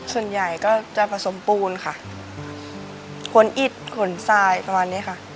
ส่วนใหญ่ก็จะผสมปูนค่ะขนอิดขนทรายประมาณนี้ค่ะ